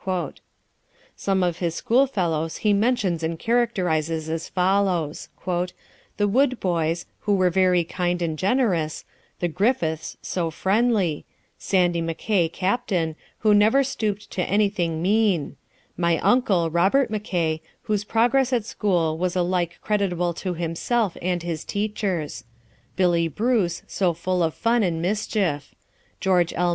Some of his school fellows he mentions and characterizes as follows: "The Wood boys, who were very kind and generous; the Griffiths, so friendly; Sandy Mackay (Captain), who never stooped to anything mean; my uncle, Robert Mackay, whose progress at school was alike creditable to himself and his teachers; Billy Bruce, so full of fun and mischief; George L.